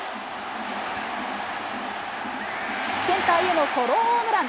センターへのソロホームラン。